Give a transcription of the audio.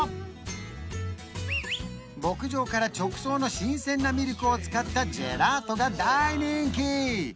牧場から直送の新鮮なミルクを使ったジェラートが大人気！